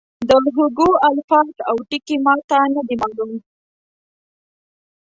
د هوګو الفاظ او ټکي ما ته نه دي معلوم.